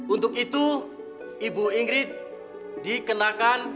untuk itu ibu ingrid dikenakan